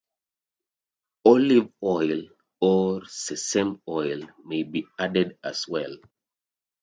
Olive oil or sesame oil may be added as well.